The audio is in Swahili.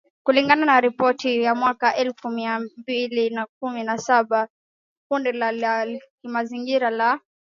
kulingana na ripoti ya mwaka elfu mbili kumi na saba ya kundi la kimazingira la